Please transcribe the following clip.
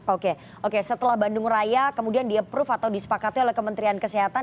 oke oke setelah bandung raya kemudian di approve atau disepakati oleh kementerian kesehatan